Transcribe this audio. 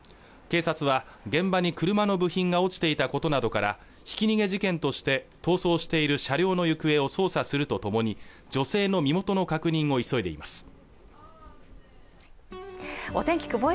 警察は現場に車の部品が落ちていたことなどからひき逃げ事件として逃走している車両の行方を捜査するとともに女性の身元の確認を急いでいます